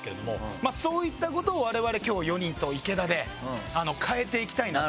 まあそういった事を我々今日４人と池田で変えていきたいなと。